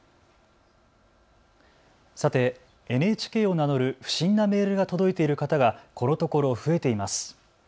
さて、ＮＨＫを名乗る不審なメールが届いている方がこのところ増えています。